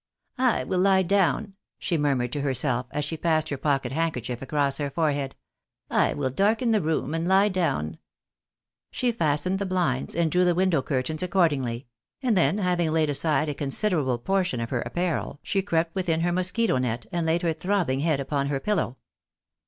" I will lie down !" she murmured to herself, as she passed her pocket handkerchief across her forehead, " I will darken the room and lie down." She fastened the blinds, and drew the window curtains accord ingly ; and then, having laid aside a considerable portion of her apparel, she crept within her mosquito net, and laid her throbbing head upon her pillow.